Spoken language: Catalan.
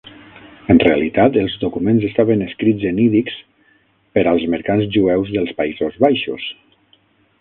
En realitat, els documents estaven escrits en ídix per als mercants jueus dels Països Baixos.